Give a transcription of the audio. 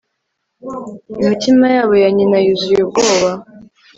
Imitima yabo ya nyina yuzuye ubwoba